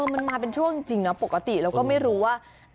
มันมาเป็นช่วงจริงนะปกติเราก็ไม่รู้ว่า